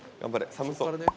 寒そう。